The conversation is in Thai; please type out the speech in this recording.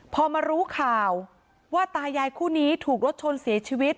พอมารู้ข่าวว่าตายายคู่นี้ถูกรถชนเสียชีวิต